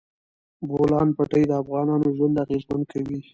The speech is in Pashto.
د بولان پټي د افغانانو ژوند اغېزمن کوي.